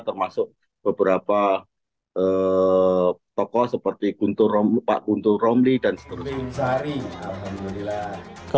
termasuk beberapa tokoh seperti pak guntur romli dan seterusnya